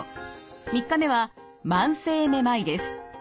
３日目は慢性めまいです。